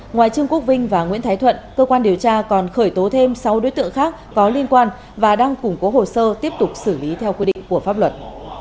ngoài trương quốc vinh và nguyễn thái thuận cơ quan điều tra còn khởi tố thêm sáu đối tượng khác có liên quan và đang củng cố hồ sơ tiếp tục xử lý theo quy định của pháp luật